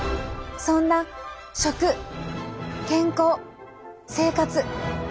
そんな食健康生活。